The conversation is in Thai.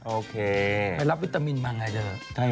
โอเคไปรับวิตามินบ้างไงเท่าเงี่ย